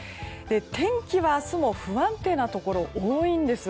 天気は明日も不安定なところが多いんです。